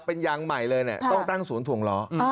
เป็นยางใหม่เลยต้องตั้งสูงถวงล้อ